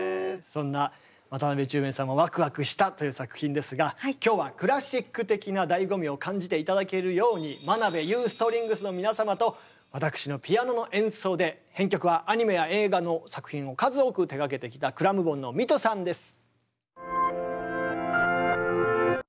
そんな渡辺宙明さんもわくわくしたという作品ですが今日はクラシック的な醍醐味を感じて頂けるように真部裕ストリングスの皆様と私のピアノの演奏で編曲はアニメや映画の作品を数多く手がけてきたｃｌａｍｍｂｏｎのミトさんです。